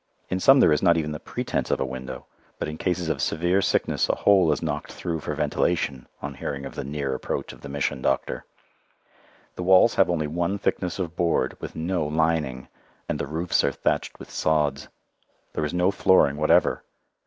In some there is not even the pretence of a window, but in cases of severe sickness a hole is knocked through for ventilation on hearing of the near approach of the Mission doctor. The walls have only one thickness of board with no lining and the roofs are thatched with sods. There is no flooring whatever.